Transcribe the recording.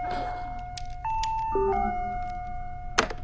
はい？